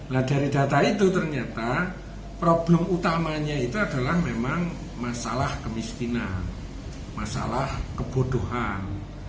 nah dari data itu ternyata problem utamanya itu adalah memang masalah kemiskinan masalah kebodohan